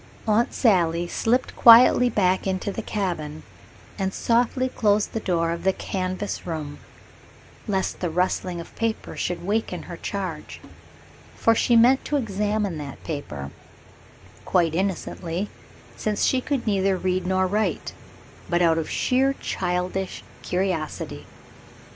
Aunt Sally slipped quietly back into the cabin and softly closed the door of the canvas room, lest the rustling of paper should waken her charge, for she meant to examine that paper, quite innocently, since she could neither read nor write, but out of sheer childish curiosity.